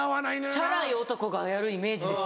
チャラい男がやるイメージです。